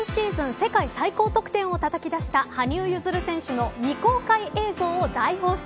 世界最高得点をたたき出した羽生結弦選手の未公開映像を大放出。